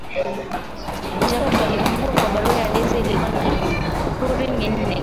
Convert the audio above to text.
Jacob alikumbuka kuwa barua ya Daisy ilikuwa na mihuri minne